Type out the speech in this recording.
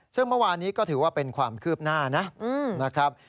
ซึ่งเมื่อวานนี้ก็ถือว่าเป็นความคืบหน้านะครับ